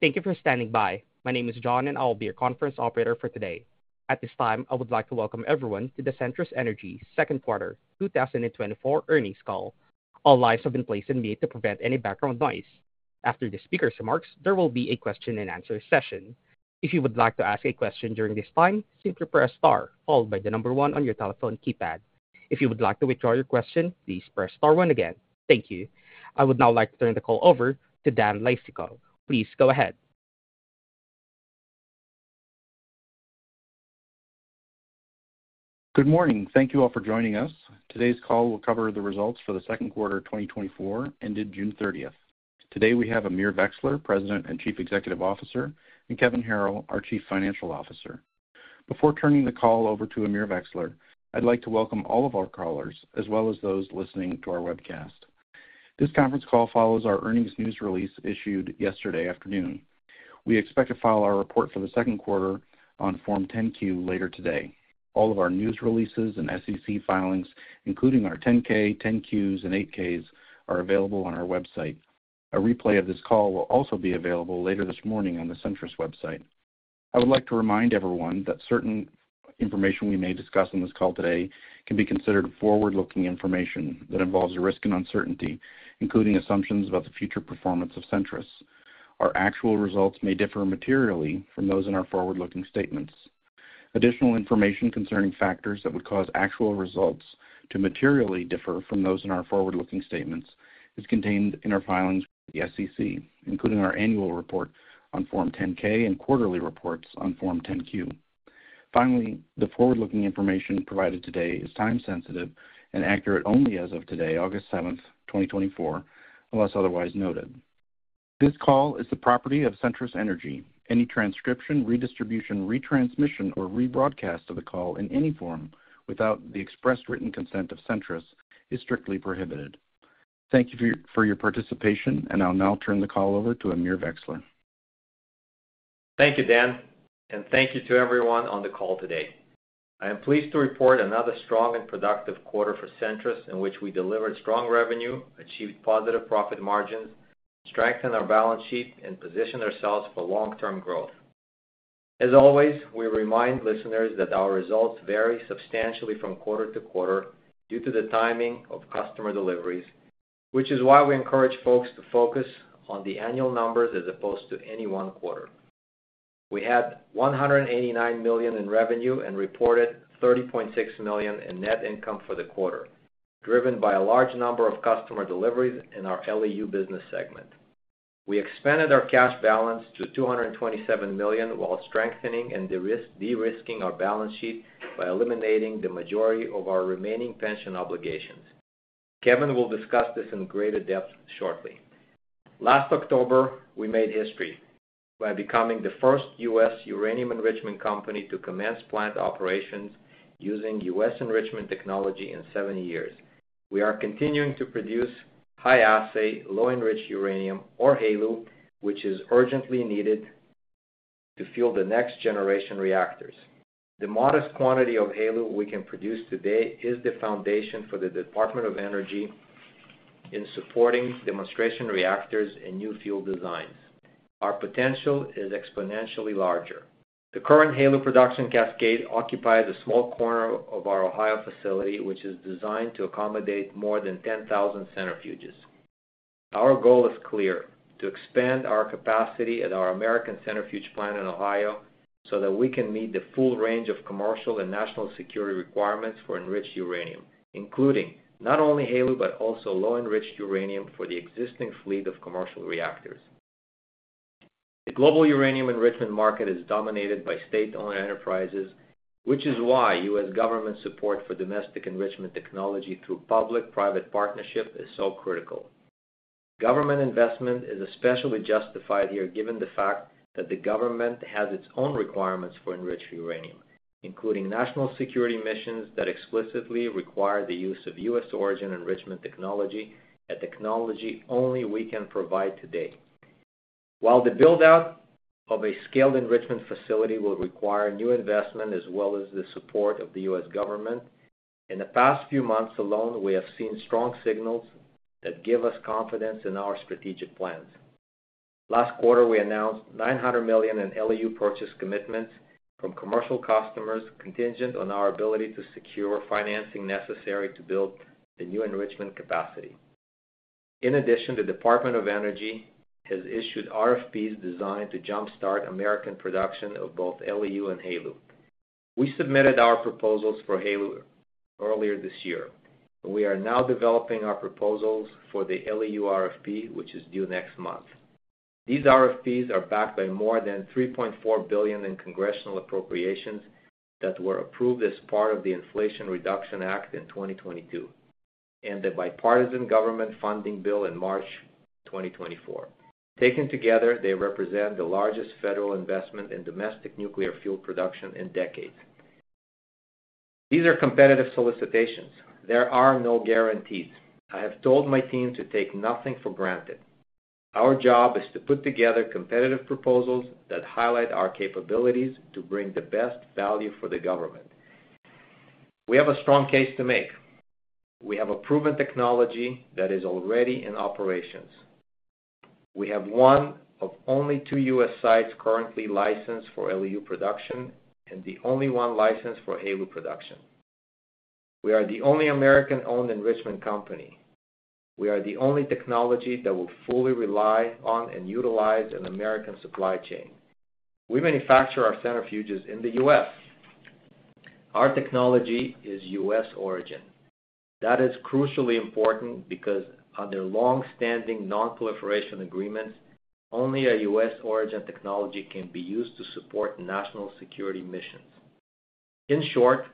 Thank you for standing by. My name is John, and I will be your conference operator for today. At this time, I would like to welcome everyone to the Centrus Energy second quarter 2024 earnings call. All lines have been placed on mute to prevent any background noise. After the speaker's remarks, there will be a question-and-answer session. If you would like to ask a question during this time, simply press star, followed by the number one on your telephone keypad. If you would like to withdraw your question, please press star one again. Thank you. I would now like to turn the call over to Dan Leistikow. Please go ahead. Good morning. Thank you all for joining us. Today's call will cover the results for the second quarter of 2024, ended June 30th. Today, we have Amir Vexler, President and Chief Executive Officer, and Kevin Harrill, our Chief Financial Officer. Before turning the call over to Amir Vexler, I'd like to welcome all of our callers, as well as those listening to our webcast. This conference call follows our earnings news release issued yesterday afternoon. We expect to file our report for the second quarter on Form 10-Q later today. All of our news releases and SEC filings, including our 10-K, 10-Qs, and 8-Ks, are available on our website. A replay of this call will also be available later this morning on the Centrus website. I would like to remind everyone that certain information we may discuss on this call today can be considered forward-looking information that involves a risk and uncertainty, including assumptions about the future performance of Centrus. Our actual results may differ materially from those in our forward-looking statements. Additional information concerning factors that would cause actual results to materially differ from those in our forward-looking statements is contained in our filings with the SEC, including our annual report on Form 10-K and quarterly reports on Form 10-Q. Finally, the forward-looking information provided today is time-sensitive and accurate only as of today, August 7th, 2024, unless otherwise noted. This call is the property of Centrus Energy. Any transcription, redistribution, retransmission, or rebroadcast of the call in any form without the express written consent of Centrus is strictly prohibited. Thank you for your participation, and I'll now turn the call over to Amir Vexler. Thank you, Dan, and thank you to everyone on the call today. I am pleased to report another strong and productive quarter for Centrus, in which we delivered strong revenue, achieved positive profit margins, strengthened our balance sheet, and positioned ourselves for long-term growth. As always, we remind listeners that our results vary substantially from quarter to quarter due to the timing of customer deliveries, which is why we encourage folks to focus on the annual numbers as opposed to any one quarter. We had $189 million in revenue and reported $30.6 million in net income for the quarter, driven by a large number of customer deliveries in our LEU business segment. We expanded our cash balance to $227 million, while strengthening and de-risking our balance sheet by eliminating the majority of our remaining pension obligations. Kevin will discuss this in greater depth shortly. Last October, we made history by becoming the first U.S. uranium enrichment company to commence plant operations using U.S. enrichment technology in seven years. We are continuing to produce high-assay low-enriched uranium, or HALEU, which is urgently needed to fuel the next-generation reactors. The modest quantity of HALEU we can produce today is the foundation for the Department of Energy in supporting demonstration reactors and new fuel designs. Our potential is exponentially larger. The current HALEU production cascade occupies a small corner of our Ohio facility, which is designed to accommodate more than 10,000 centrifuges. Our goal is clear: to expand our capacity at our American Centrifuge Plant in Ohio so that we can meet the full range of commercial and national security requirements for enriched uranium, including not only HALEU, but also low-enriched uranium for the existing fleet of commercial reactors. The global uranium enrichment market is dominated by state-owned enterprises, which is why U.S. government support for domestic enrichment technology through public-private partnership is so critical. Government investment is especially justified here, given the fact that the government has its own requirements for enriched uranium, including national security missions that explicitly require the use of U.S.-origin enrichment technology, a technology only we can provide today. While the build-out of a scaled enrichment facility will require new investment as well as the support of the U.S. government, in the past few months alone, we have seen strong signals that give us confidence in our strategic plans. Last quarter, we announced $900 million in LEU purchase commitments from commercial customers, contingent on our ability to secure financing necessary to build the new enrichment capacity. In addition, the Department of Energy has issued RFPs designed to jumpstart American production of both LEU and HALEU. We submitted our proposals for HALEU earlier this year. We are now developing our proposals for the LEU RFP, which is due next month. These RFPs are backed by more than $3.4 billion in congressional appropriations that were approved as part of the Inflation Reduction Act in 2022, and the bipartisan government funding bill in March 2024. Taken together, they represent the largest federal investment in domestic nuclear fuel production in decades. These are competitive solicitations. There are no guarantees. I have told my team to take nothing for granted. Our job is to put together competitive proposals that highlight our capabilities to bring the best value for the government. We have a strong case to make. We have a proven technology that is already in operations. We have one of only two U.S. sites currently licensed for LEU production, and the only one licensed for HALEU production. We are the only American-owned enrichment company. We are the only technology that will fully rely on and utilize an American supply chain. We manufacture our centrifuges in the U.S. Our technology is U.S. origin. That is crucially important because under long-standing non-proliferation agreements, only a U.S. origin technology can be used to support national security missions. In short,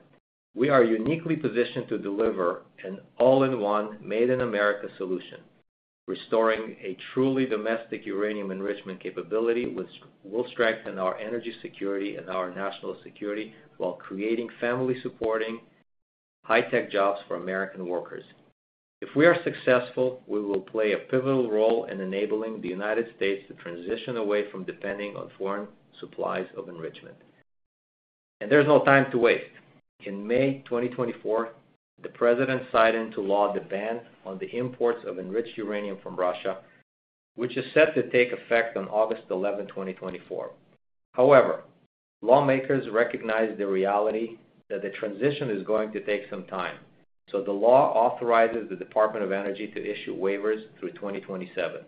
we are uniquely positioned to deliver an all-in-one, made-in-America solution. Restoring a truly domestic uranium enrichment capability, which will strengthen our energy security and our national security while creating family-supporting, high-tech jobs for American workers. If we are successful, we will play a pivotal role in enabling the United States to transition away from depending on foreign supplies of enrichment. There's no time to waste. In May 2024, the President signed into law the ban on the imports of enriched uranium from Russia, which is set to take effect on August 11, 2024. However, lawmakers recognize the reality that the transition is going to take some time, so the law authorizes the Department of Energy to issue waivers through 2027.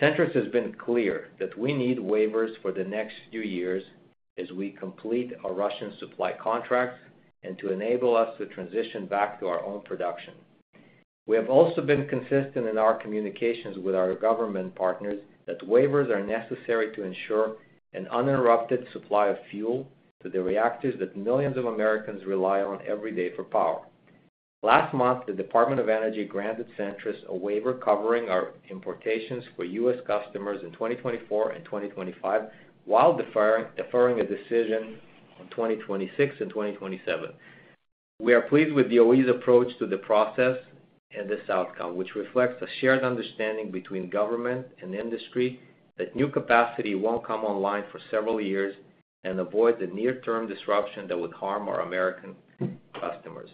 Centrus has been clear that we need waivers for the next few years as we complete our Russian supply contracts and to enable us to transition back to our own production. We have also been consistent in our communications with our government partners that waivers are necessary to ensure an uninterrupted supply of fuel to the reactors that millions of Americans rely on every day for power. Last month, the Department of Energy granted Centrus a waiver covering our importations for U.S. customers in 2024 and 2025, while deferring a decision on 2026 and 2027. We are pleased with DOE's approach to the process and this outcome, which reflects a shared understanding between government and industry that new capacity won't come online for several years and avoid the near-term disruption that would harm our American customers.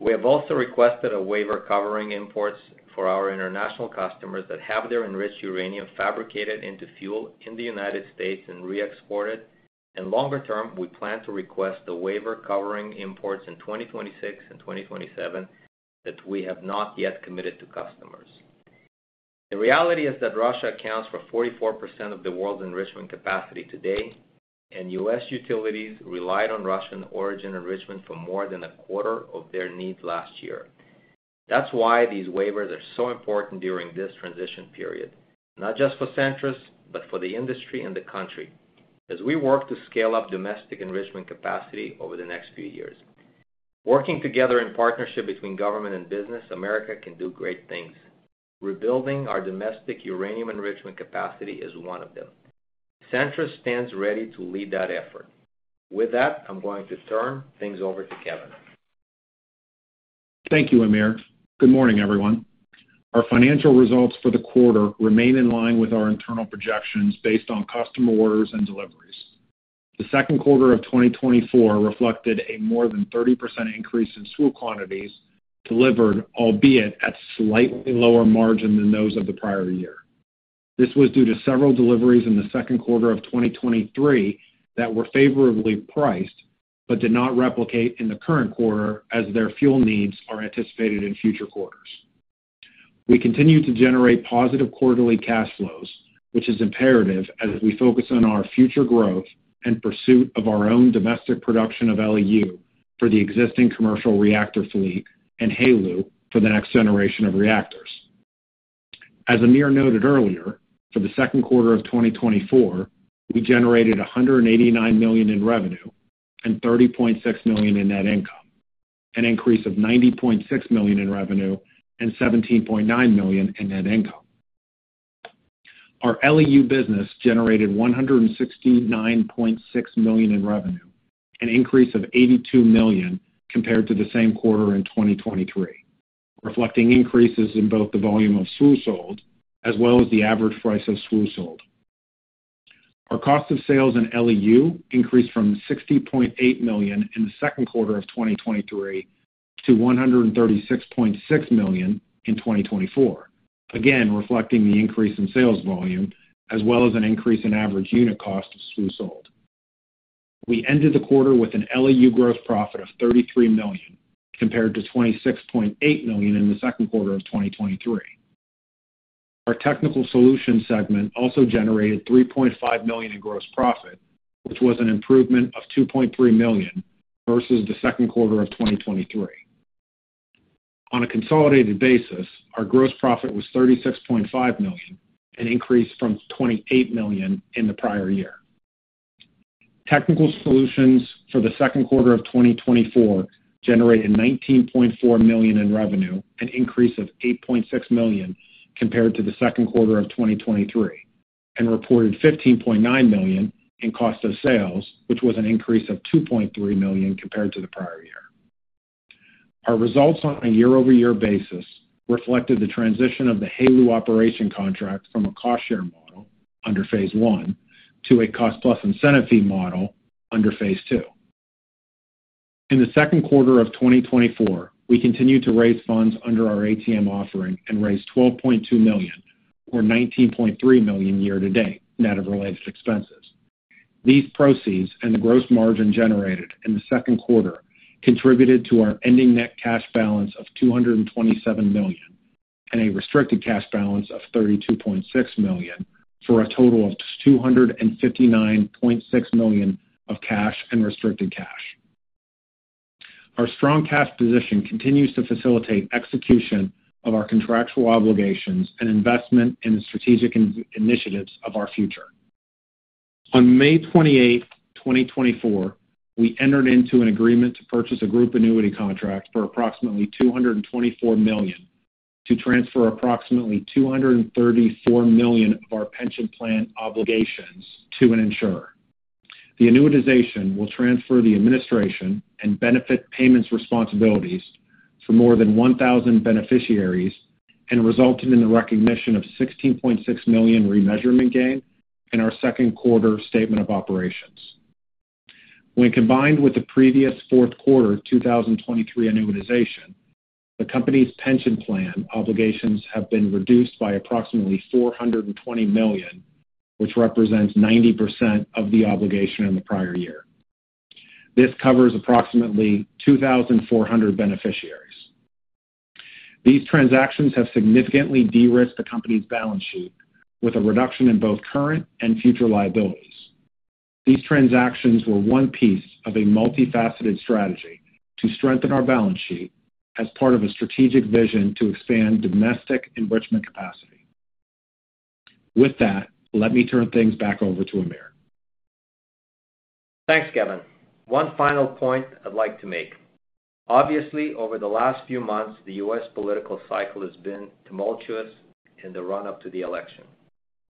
We have also requested a waiver covering imports for our international customers that have their enriched uranium fabricated into fuel in the United States and re-exported, and longer-term, we plan to request a waiver covering imports in 2026 and 2027 that we have not yet committed to customers. The reality is that Russia accounts for 44% of the world's enrichment capacity today, and U.S. utilities relied on Russian origin enrichment for more than 1/4 of their needs last year. That's why these waivers are so important during this transition period, not just for Centrus, but for the industry and the country, as we work to scale up domestic enrichment capacity over the next few years. Working together in partnership between government and business, America can do great things. Rebuilding our domestic uranium enrichment capacity is one of them. Centrus stands ready to lead that effort. With that, I'm going to turn things over to Kevin. Thank you, Amir. Good morning, everyone. Our financial results for the quarter remain in line with our internal projections based on customer orders and deliveries. The second quarter of 2024 reflected a more than 30% increase in SWU quantities delivered, albeit at slightly lower margin than those of the prior year. This was due to several deliveries in the second quarter of 2023 that were favorably priced, but did not replicate in the current quarter as their fuel needs are anticipated in future quarters. We continue to generate positive quarterly cash flows, which is imperative as we focus on our future growth and pursuit of our own domestic production of LEU for the existing commercial reactor fleet and HALEU for the next generation of reactors. As Amir noted earlier, for the second quarter of 2024, we generated $189 million in revenue and $30.6 million in net income, an increase of $90.6 million in revenue and $17.9 million in net income. Our LEU business generated $169.6 million in revenue, an increase of $82 million compared to the same quarter in 2023, reflecting increases in both the volume of SWU sold as well as the average price of SWU sold. Our cost of sales in LEU increased from $60.8 million in the second quarter of 2023 to $136.6 million in 2024, again, reflecting the increase in sales volume as well as an increase in average unit cost of SWU sold. We ended the quarter with an LEU gross profit of $33 million, compared to $26.8 million in the second quarter of 2023. Our Technical Solutions segment also generated $3.5 million in gross profit, which was an improvement of $2.3 million versus the second quarter of 2023. On a consolidated basis, our gross profit was $36.5 million, an increase from $28 million in the prior year. Technical Solutions for the second quarter of 2024 generated $19.4 million in revenue, an increase of $8.6 million compared to the second quarter of 2023, and reported $15.9 million in cost of sales, which was an increase of $2.3 million compared to the prior year. Our results on a year-over-year basis reflected the transition of the HALEU operation contract from a cost-share model under Phase I to a cost-plus incentive fee model under Phase II. In the second quarter of 2024, we continued to raise funds under our ATM offering and raised $12.2 million, or $19.3 million year-to-date, net of related expenses. These proceeds and the gross margin generated in the second quarter contributed to our ending net cash balance of $227 million, and a restricted cash balance of $32.6 million, for a total of $259.6 million of cash and restricted cash. Our strong cash position continues to facilitate execution of our contractual obligations and investment in the strategic initiatives of our future. On May 28, 2024, we entered into an agreement to purchase a group annuity contract for approximately $224 million to transfer approximately $234 million of our pension plan obligations to an insurer. The annuitization will transfer the administration and benefit payments responsibilities for more than 1,000 beneficiaries, and resulted in the recognition of $16.6 million remeasurement gain in our second quarter statement of operations. When combined with the previous fourth quarter, 2023 annuitization, the company's pension plan obligations have been reduced by approximately $420 million, which represents 90% of the obligation in the prior year. This covers approximately 2,400 beneficiaries. These transactions have significantly de-risked the company's balance sheet, with a reduction in both current and future liabilities. These transactions were one piece of a multifaceted strategy to strengthen our balance sheet as part of a strategic vision to expand domestic enrichment capacity. With that, let me turn things back over to Amir. Thanks, Kevin. One final point I'd like to make. Obviously, over the last few months, the U.S. political cycle has been tumultuous in the run-up to the election.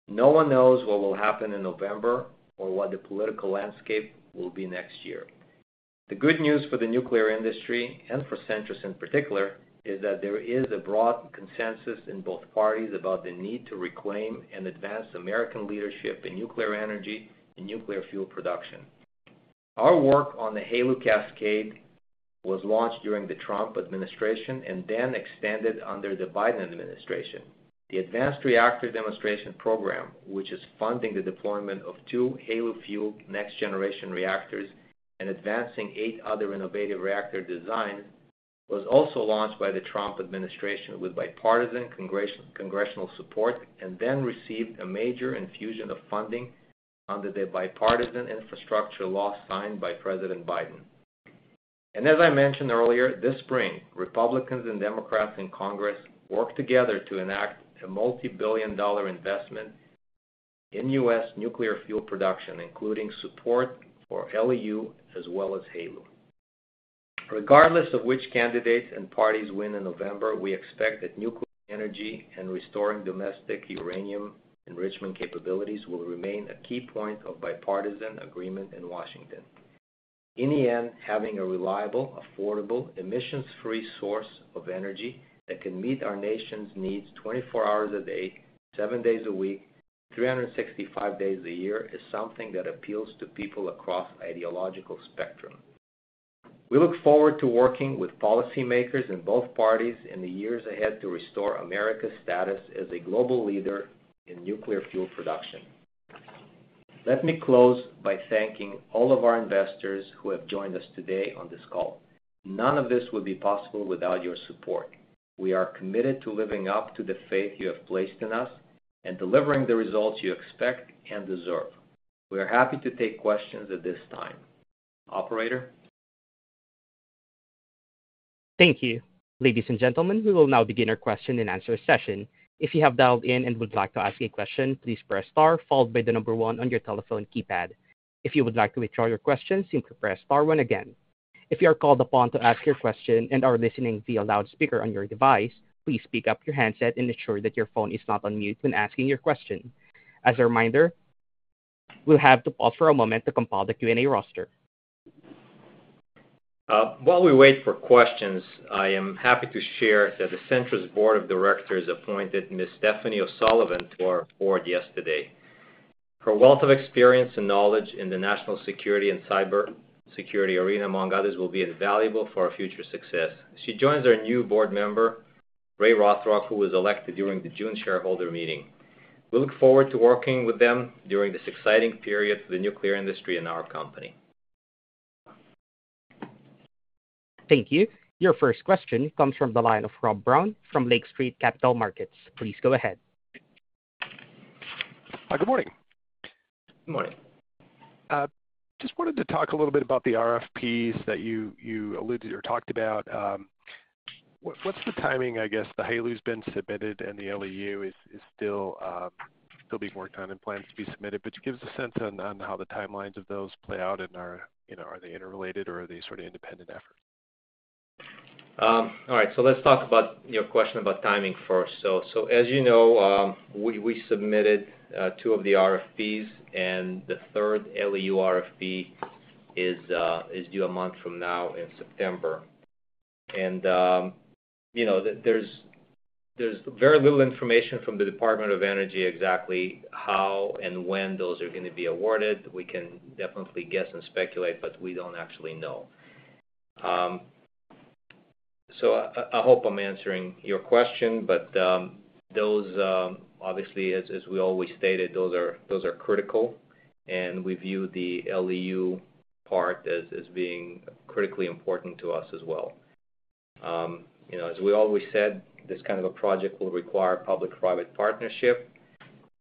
No one knows what will happen in November or what the political landscape will be next year. The good news for the nuclear industry, and for Centrus in particular, is that there is a broad consensus in both parties about the need to reclaim and advance American leadership in nuclear energy and nuclear fuel production. Our work on the HALEU cascade was launched during the Trump administration and then extended under the Biden administration. The Advanced Reactor Demonstration Program, which is funding the deployment of two HALEU-fueled next-generation reactors and advancing eight other innovative reactor designs, was also launched by the Trump administration with bipartisan congressional support, and then received a major infusion of funding under the Bipartisan Infrastructure Law signed by President Biden. And as I mentioned earlier, this spring, Republicans and Democrats in Congress worked together to enact a multibillion-dollar investment in U.S. nuclear fuel production, including support for LEU as well as HALEU. Regardless of which candidates and parties win in November, we expect that nuclear energy and restoring domestic uranium enrichment capabilities will remain a key point of bipartisan agreement in Washington. In the end, having a reliable, affordable, emissions-free source of energy that can meet our nation's needs 24 hours a day, 7 days a week, 365 days a year, is something that appeals to people across ideological spectrum. We look forward to working with policymakers in both parties in the years ahead to restore America's status as a global leader in nuclear fuel production. Let me close by thanking all of our investors who have joined us today on this call. None of this would be possible without your support. We are committed to living up to the faith you have placed in us and delivering the results you expect and deserve. We are happy to take questions at this time. Operator? Thank you. Ladies and gentlemen, we will now begin our question-and-answer session. If you have dialed in and would like to ask a question, please press star, followed by the number one on your telephone keypad. If you would like to withdraw your question, simply press star one again. If you are called upon to ask your question and are listening via loudspeaker on your device, please pick up your handset and ensure that your phone is not on mute when asking your question. As a reminder, we'll have to pause for a moment to compile the Q&A roster. While we wait for questions, I am happy to share that the Centrus Board of Directors appointed Ms. Stephanie O'Sullivan to our board yesterday. Her wealth of experience and knowledge in the national security and cybersecurity arena, among others, will be invaluable for our future success. She joins our new board member, Ray Rothrock, who was elected during the June shareholder meeting. We look forward to working with them during this exciting period for the nuclear industry and our company. Thank you. Your first question comes from the line of Rob Brown from Lake Street Capital Markets. Please go ahead. Hi, good morning. Good morning. Just wanted to talk a little bit about the RFPs that you alluded or talked about. What, what's the timing, I guess? The HALEU's been submitted and the LEU still has more time in plan to be submitted. But just give us a sense on how the timelines of those play out, and you know, are they interrelated or are they sort of independent efforts? All right, so let's talk about your question about timing first. So, as you know, we submitted two of the RFPs, and the third LEU RFP is due a month from now in September. And, you know, there's very little information from the Department of Energy exactly how and when those are gonna be awarded. We can definitely guess and speculate, but we don't actually know. So, I hope I'm answering your question, but, those, obviously, as we always stated, those are critical, and we view the LEU part as being critically important to us as well. You know, as we always said, this kind of a project will require public-private partnership.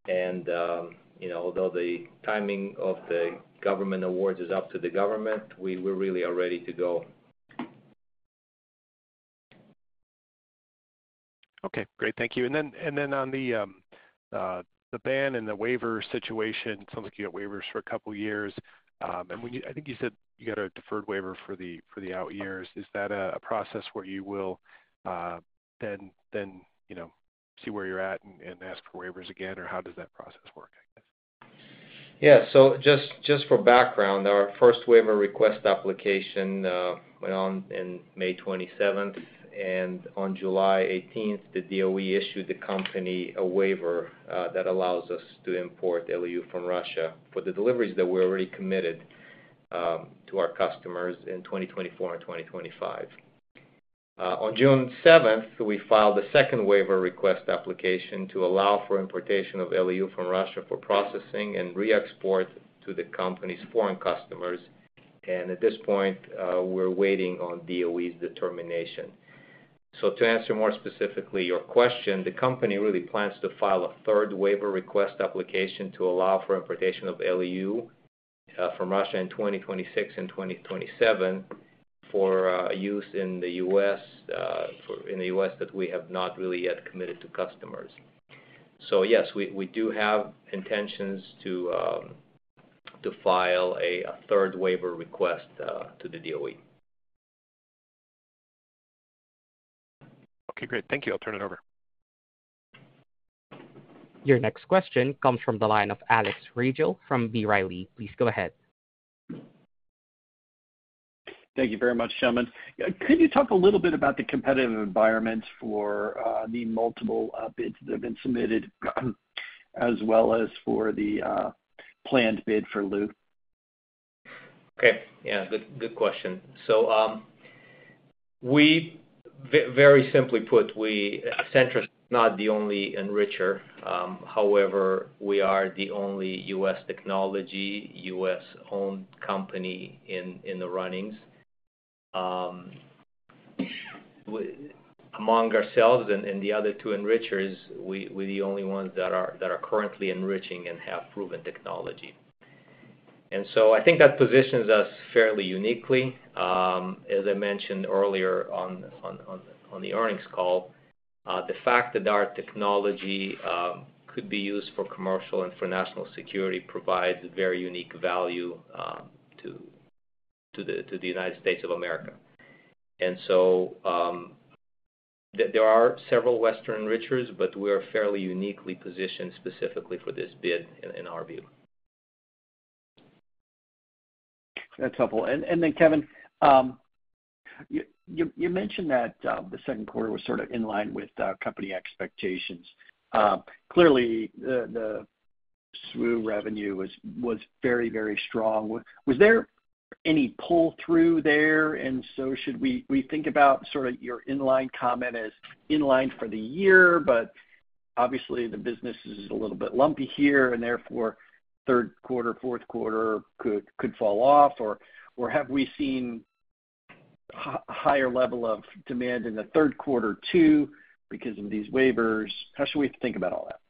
You know, although the timing of the government awards is up to the government, we really are ready to go. Okay, great. Thank you. And then on the ban and the waiver situation, sounds like you got waivers for a couple years. And when you, I think you said you got a deferred waiver for the out years. Is that a process where you will then you know see where you're at and ask for waivers again, or how does that process work, I guess? Yeah. So just for background, our first waiver request application went on in May 27th, and on July 18th, the DOE issued the company a waiver that allows us to import LEU from Russia for the deliveries that we already committed to our customers in 2024 and 2025. On June 7th, we filed a second waiver request application to allow for importation of LEU from Russia for processing and re-export to the company's foreign customers. At this point, we're waiting on DOE's determination. So to answer more specifically your question, the company really plans to file a third waiver request application to allow for importation of LEU from Russia in 2026 and 2027, for use in the U.S. that we have not really yet committed to customers. So yes, we do have intentions to file a third waiver request to the DOE. Okay, great. Thank you. I'll turn it over. Your next question comes from the line of Alex Rygiel from B. Riley. Please go ahead. Thank you very much, gentlemen. Could you talk a little bit about the competitive environment for the multiple bids that have been submitted, as well as for the planned bid for LEU? Okay. Yeah, good, good question. So, very simply put, Centrus is not the only enricher. However, we are the only U.S. technology, U.S.-owned company in the running. Among ourselves and the other two enrichers, we, we're the only ones that are currently enriching and have proven technology. And so I think that positions us fairly uniquely. As I mentioned earlier on the earnings call, the fact that our technology could be used for commercial and for national security provides a very unique value to the United States of America. And so, there are several Western enrichers, but we are fairly uniquely positioned specifically for this bid in our view. That's helpful. And then, Kevin, you mentioned that the second quarter was sort of in line with company expectations. Clearly, the SWU revenue was very, very strong. Was there any pull-through there? And so should we think about sort of your in-line comment as in line for the year, but obviously, the business is a little bit lumpy here, and therefore, third quarter, fourth quarter could fall off, or have we seen higher level of demand in the third quarter, too, because of these waivers? How should we think about all that?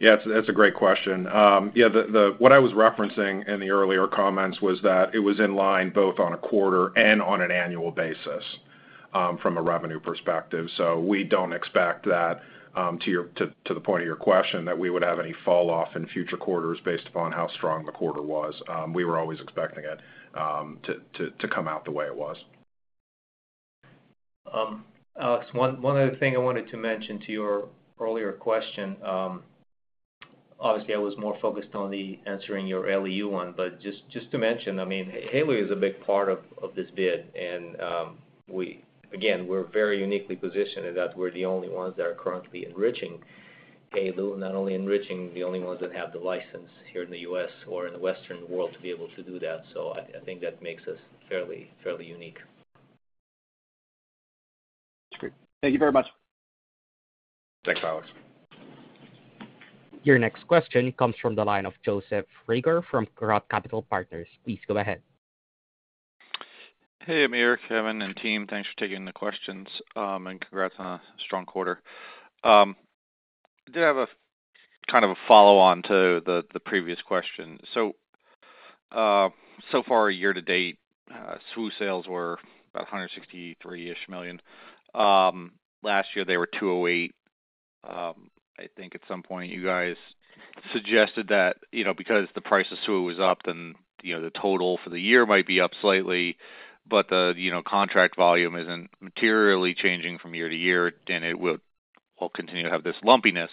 Yeah, that's a great question. Yeah, what I was referencing in the earlier comments was that it was in line both on a quarter and on an annual basis, from a revenue perspective. So we don't expect that, to the point of your question, that we would have any falloff in future quarters based upon how strong the quarter was. We were always expecting it to come out the way it was. Alex, one other thing I wanted to mention to your earlier question. Obviously, I was more focused on the answering your LEU one, but just to mention, I mean, HALEU is a big part of this bid, and, we, again, we're very uniquely positioned, and that we're the only ones that are currently enriching HALEU, not only enriching, the only ones that have the license here in the U.S. or in the Western world to be able to do that. So I think that makes us fairly unique. That's great. Thank you very much. Thanks, Alex. Your next question comes from the line of Joseph Reagor from Roth MKM. Please go ahead. Hey, Amir, Kevin, and team, thanks for taking the questions, and congrats on a strong quarter. I do have a kind of a follow-on to the previous question. So far, year to date, SWU sales were about $163-ish million. Last year, they were 208. I think at some point, you guys suggested that, you know, because the price of SWU was up, then, you know, the total for the year might be up slightly, but the, you know, contract volume isn't materially changing from year to year, and it will continue to have this lumpiness.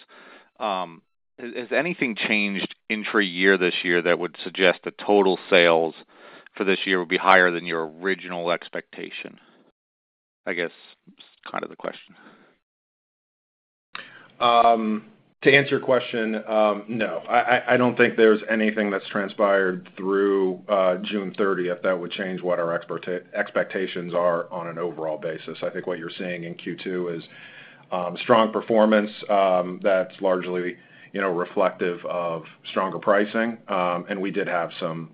Has anything changed intra-year this year that would suggest that total sales for this year will be higher than your original expectation? I guess is kind of the question. To answer your question, no. I don't think there's anything that's transpired through June thirtieth that would change what our expectations are on an overall basis. I think what you're seeing in Q2 is strong performance that's largely, you know, reflective of stronger pricing. And we did have some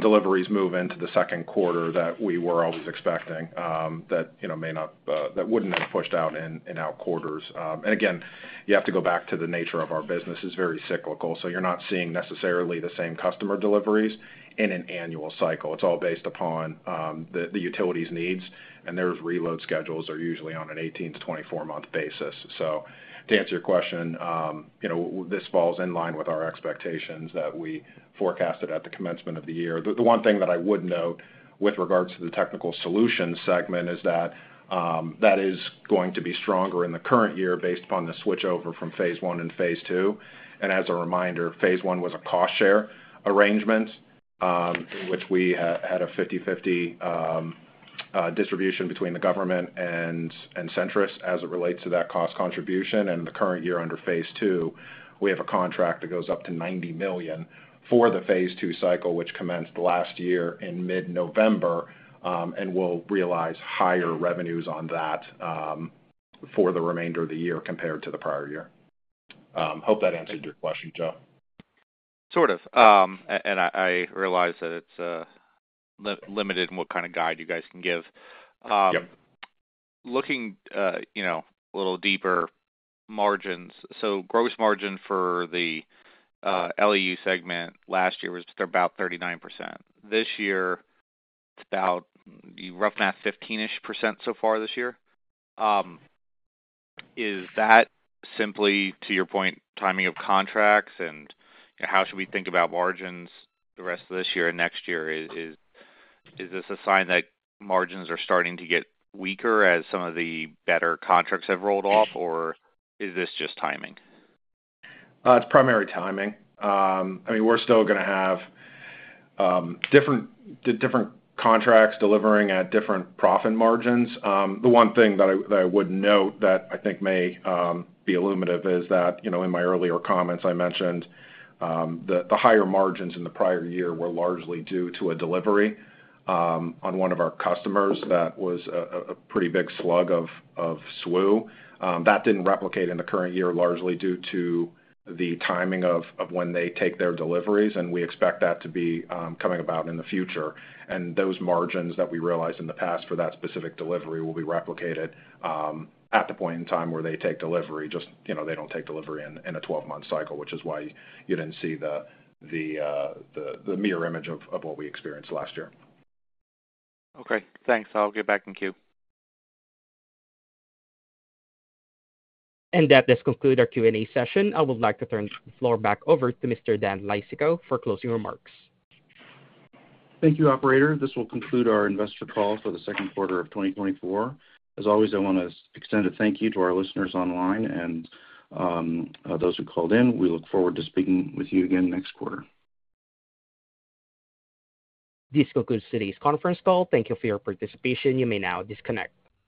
deliveries move into the second quarter that we were always expecting, that, you know, may not, that wouldn't have pushed out in our quarters. And again, you have to go back to the nature of our business, it's very cyclical, so you're not seeing necessarily the same customer deliveries in an annual cycle. It's all based upon the utilities needs, and their reload schedules are usually on an 18-24-month basis. So to answer your question, you know, this falls in line with our expectations that we forecasted at the commencement of the year. The one thing that I would note with regards to the Technical Solutions segment is that that is going to be stronger in the current year based upon the switchover from Phase I and Phase II. And as a reminder, Phase I was a cost share arrangement, which we had a 50/50 distribution between the government and Centrus as it relates to that cost contribution. And in the current year, under Phase II, we have a contract that goes up to $90 million for the Phase II cycle, which commenced last year in mid-November, and will realize higher revenues on that for the remainder of the year compared to the prior year. Hope that answered your question, Joe. Sort of. And I realize that it's limited in what kind of guide you guys can give. Yep. Looking, you know, a little deeper, margins. So gross margin for the LEU segment last year was about 39%. This year, it's about, rough math, 15%-ish so far this year. Is that simply to your point, timing of contracts, and how should we think about margins the rest of this year and next year? Is this a sign that margins are starting to get weaker as some of the better contracts have rolled off, or is this just timing? It's primary timing. I mean, we're still gonna have different contracts delivering at different profit margins. The one thing that I would note that I think may be illuminative is that, you know, in my earlier comments, I mentioned the higher margins in the prior year were largely due to a delivery on one of our customers that was a pretty big slug of SWU. That didn't replicate in the current year, largely due to the timing of when they take their deliveries, and we expect that to be coming about in the future. Those margins that we realized in the past for that specific delivery will be replicated at the point in time where they take delivery. Just, you know, they don't take delivery in a 12-month cycle, which is why you didn't see the mirror image of what we experienced last year. Okay, thanks. I'll get back in queue. That does conclude our Q&A session. I would like to turn the floor back over to Mr. Dan Leistikow for closing remarks. Thank you, operator. This will conclude our investor call for the second quarter of 2024. As always, I wanna extend a thank you to our listeners online and those who called in. We look forward to speaking with you again next quarter. This concludes today's conference call. Thank you for your participation. You may now disconnect.